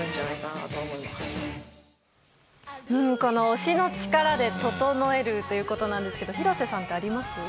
推しの力で整えるということなんですけど廣瀬さんって何かあります？